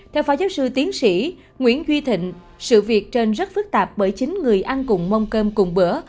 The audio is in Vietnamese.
theo phó giáo sư tiến sĩ nguyễn duy thịnh sự việc trên rất phức tạp bởi chính người ăn cùng mông cơm cùng bữa